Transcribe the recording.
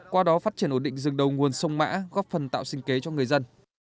qua đó phát triển ổn định rừng đầu nguồn sông mã góp phần tạo sinh kế cho người dân